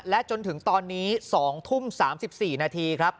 และจนถึงตอนนี้๒ทุ่ม๓๔นาทีครับ